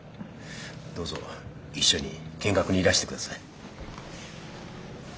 どうぞ一緒に見学にいらして下さい。